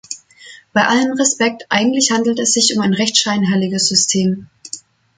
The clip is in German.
Bei allem Respekt, eigentlich handelt es sich um ein recht scheinheiliges System.